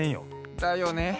だよね！